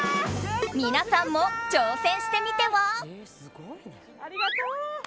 皆さんも挑戦してみては？